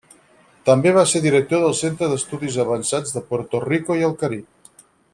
També va ser Director del Centre d'Estudis Avançats de Puerto Rico i el Carib.